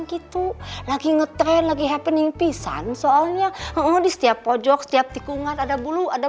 gitu lagi ngetrend lagi happening pisan soalnya oh di setiap pojok setiap tikungan ada bulu ada